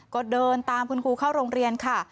ก็เดินตามคุณครูเข้าโรงเรียนค่ะ